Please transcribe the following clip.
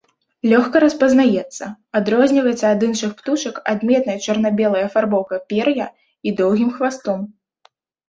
Лёгка распазнаецца, адрозніваецца ад іншых птушак адметнай чорна-белай афарбоўкай пер'я і доўгім хвастом.